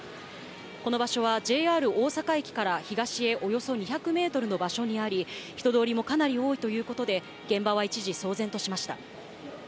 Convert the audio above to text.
この場所はＪＲ大阪駅から東へおよそ２００メートルの場所にあり、人通りもかなり多いということで、現場は一時、騒然としました。